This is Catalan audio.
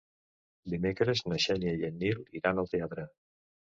Dimecres na Xènia i en Nil iran al teatre.